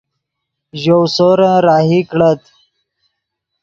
ژؤ سورن راہی کڑت